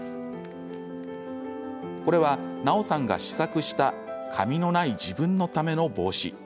これは、ナオさんが試作した髪のない自分のための帽子。